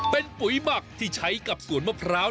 เป็นปุ๋ยหมักที่ใช้กับสวนมะพร้าว